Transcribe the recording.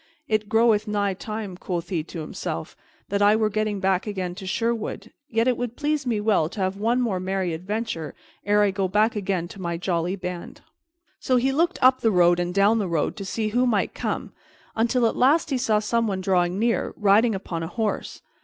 "It groweth nigh time," quoth he to himself, "that I were getting back again to Sherwood; yet it would please me well to have one more merry adventure ere I go back again to my jolly band." So he looked up the road and down the road to see who might come, until at last he saw someone drawing near, riding upon a horse.